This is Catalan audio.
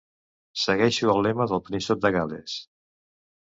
Segueixo el lema del príncep de Gal·les.